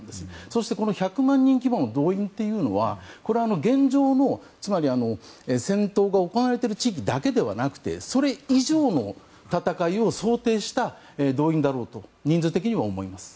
そして、１００万人規模の動員というのは現在の戦闘が行われている地域だけではなくてそれ以上の戦いを想定した動員だろうと人数的には思います。